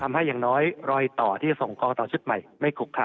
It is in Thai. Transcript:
ทำให้อย่างน้อยรอยต่อที่ส่งกองต่อชุดใหม่ไม่กลุกถักฮ่า